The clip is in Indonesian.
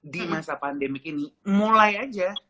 di masa pandemi ini mulai aja